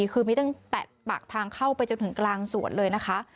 คือมีตั้งแต่ปากทางเข้าไปจนถึงกลางสวนเลยนะคะ